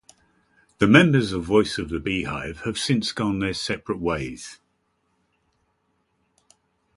The members of Voice of the Beehive have since gone their separate ways.